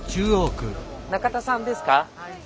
中田さんですか？